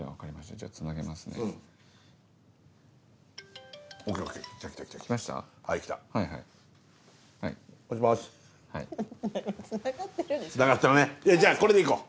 じゃあこれで行こう！